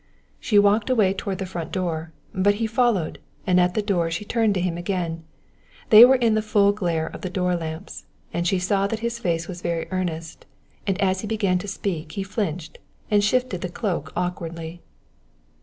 She walked away toward the front door; but he followed, and at the door she turned to him again. They were in the full glare of the door lamps, and she saw that his face was very earnest, and as he began to speak he flinched and shifted the cloak awkwardly.